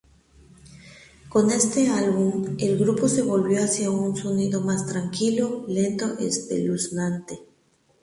Con este álbum, el grupo se volvió hacia un sonido más tranquilo, lento, espeluznante.